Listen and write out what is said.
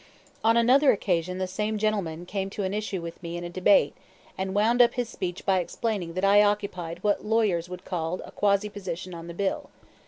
On another occasion the same gentleman came to an issue with me in a debate, and wound up his speech by explaining that I occupied what "lawyers would call a quasi position on the bill."